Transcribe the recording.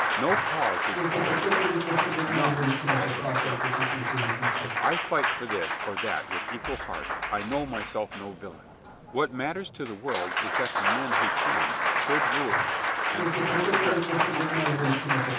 No cause is all of God, none all of the devil. If I fight for this or that with equal heart, I know myself no villain. What matters to the world is that the men who can should rule and school the rest to comfortable life.